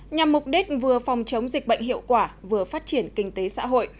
nhằm mục đích vừa phòng chống dịch bệnh hiệu quả vừa phát triển kinh tế xã hội